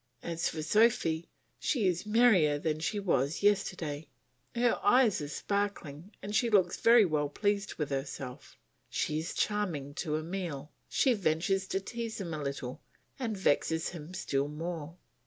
As for Sophy she is merrier than she was yesterday; her eyes are sparkling and she looks very well pleased with herself; she is charming to Emile; she ventures to tease him a little and vexes him still more.